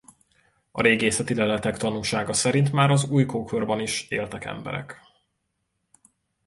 A régészeti leletek tanúsága szerint már az újkőkorban is éltek emberek.